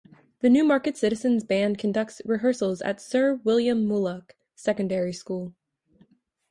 The Newmarket Citizens' Band conducts rehearsals at Sir William Mulock Secondary School.